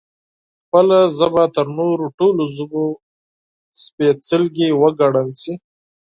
خپله ژبه تر نورو ټولو ژبو سپېڅلې وګڼل شي